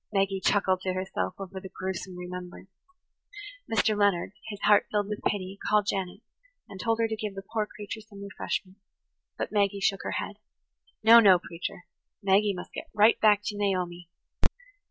Maggie chuckled to herself over the gruesome remembrance. Mr. Leonard, his heart filled with [Page 102] pity, called Janet and told her to give the poor creature some refreshment. But Maggie shook her head. "No, no, preacher, Maggie must get right back to Naomi.